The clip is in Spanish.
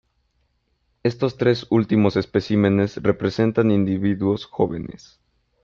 Estos tres últimos especímenes representan individuos jóvenes.